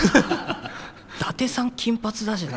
伊達さん金髪だしな。